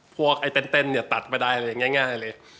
พวกตัดตั๋นเลยง่ายแบบนี้